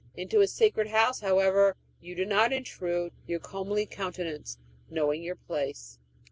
Into his sacred house, however, you do not intrude your comely countenance, knowing your place."